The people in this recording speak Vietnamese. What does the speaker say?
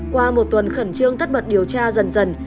qua một tuần khẩn trương tất bật điều tra dần dần